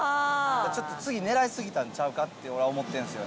ちょっと次、狙いすぎたんちゃうかって、俺は思ってるんです